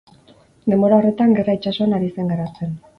Denbora horretan, gerra itsasoan ari zen garatzen.